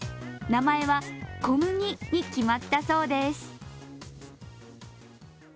名前は「こむぎ」に決まったそうです。